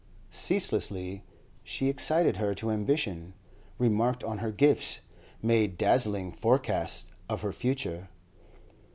Ceaselessly she excited her to ambition, remarked on her gifts, made dazzling forecast of her future.